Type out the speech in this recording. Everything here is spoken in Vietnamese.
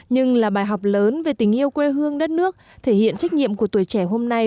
nhưng là bài học lớn về tình yêu quê hương đất nước thể hiện trách nhiệm của tuổi trẻ hôm nay